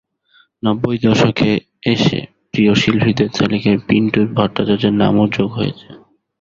নব্বই দশকে এসে প্রিয় শিল্পীদের তালিকায় পিন্টুু ভট্টাচার্যের নামও যোগ হয়েছে।